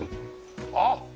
あっ！